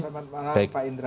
selamat malam pak indra